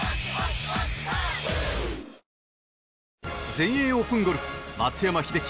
全英オープンゴルフ松山英樹